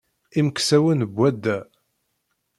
Imeksawen n wadda.